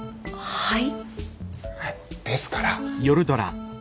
はい。